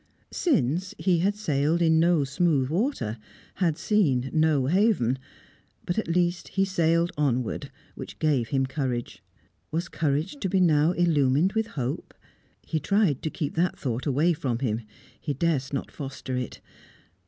Since, he had sailed in no smooth water; had seen no haven. But at least he sailed onward, which gave him courage. Was courage to be now illumined with hope? He tried to keep that thought away from him; he durst not foster it.